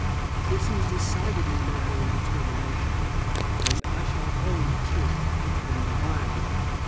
This is decidedly my own determination, and I shall hold to it inviolably."